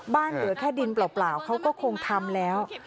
เหลือแค่ดินเปล่าเขาก็คงทำแล้ว